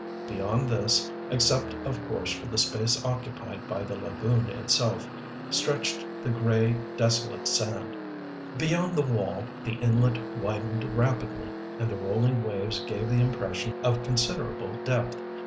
Beyond this except of course for the space occupied by the lagoon itself stretched the gray, desolate sand. Beyond the wall the inlet widened rapidly, and the rolling waves gave the impression of considerable depth.